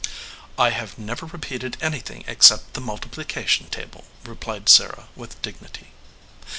"I have never repeated anything except the mul tiplication table," replied Sarah with dignity.